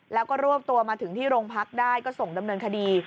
แล้วก็รวบตัวมาถึงที่โรงพักได้ก็ส่งดำเนินคดี